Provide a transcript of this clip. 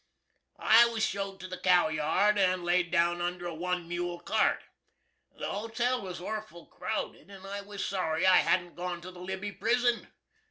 I was show'd to the cowyard and laid down under a one mule cart. The hotel was orful crowded, and I was sorry I hadn't gone to the Libby Prison.